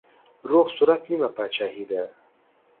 روغ صورت نيمه پاچاهي ده.